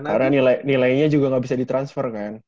karena nilainya juga gak bisa di transfer kan